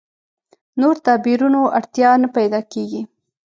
نور تعبیرونو اړتیا نه پیدا کېږي.